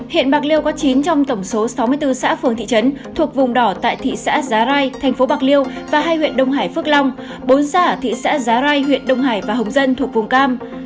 hiện bạc liêu có chín trong tổng số sáu mươi bốn xã phường thị trấn thuộc vùng đỏ tại thị xã giá rai thành phố bạc liêu và hai huyện đông hải phước long bốn xã ở thị xã giá rai huyện đông hải và hồng dân thuộc vùng cam